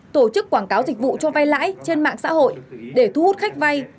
tổ chức quảng cáo dịch vụ cho vay lãi trên mạng xã hội để thu hút khách vay